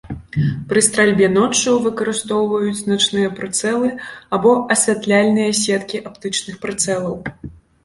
Пры стральбе ноччу выкарыстоўваюць начныя прыцэлы або асвятляльныя сеткі аптычных прыцэлаў.